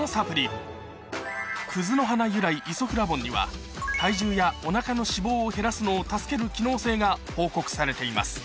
由来イソフラボンには体重やお腹の脂肪を減らすのを助ける機能性が報告されています